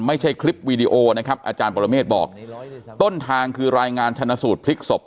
ไม่ใช่คลิปวีดีโอนะครับอาจารย์ปรเมฆบอกต้นทางคือรายงานชนะสูตรพลิกศพ